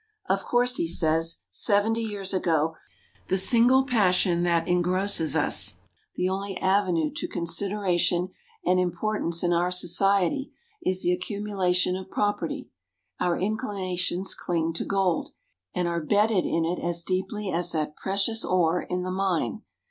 "Of course," he says, seventy years ago, "the single passion that engrosses us, the only avenue to consideration and importance in our society, is the accumulation of property: our inclinations cling to gold, and are bedded in it as deeply as that precious ore in the mine....